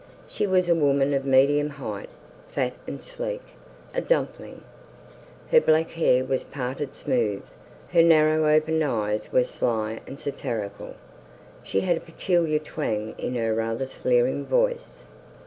She was a woman of medium height, fat and sleek, a dumpling. Her black hair was parted smooth, her narrow opened eyes were sly and satirical, she had a peculiar twang in her rather sleering voice.